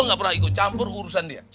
gue gak pernah ikut campur urusan dia